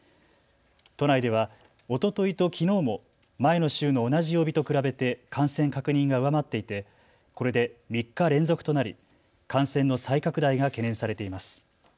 都内ではおとといときのうも前の週の同じ曜日と比べて感染確認が上回っていてこれで３日連続となり感染の再拡大が懸念されています。